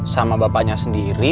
sama bapaknya sendiri